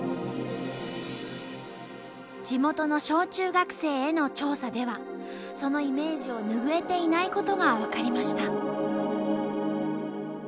地元の小中学生への調査ではそのイメージを拭えていないことが分かりました。